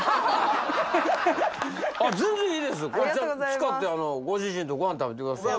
使ってご主人とご飯食べてください。